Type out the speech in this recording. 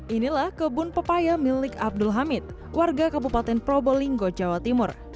inilah kebun pepaya milik abdul hamid warga kabupaten probolinggo jawa timur